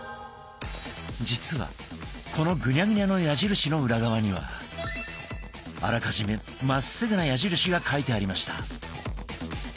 実はこのグニャグニャの矢印の裏側にはあらかじめまっすぐな矢印が書いてありました。